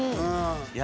いや、